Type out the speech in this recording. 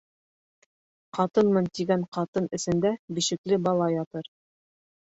Ҡатынмын тигән ҡатын эсендә бишекле бала ятыр.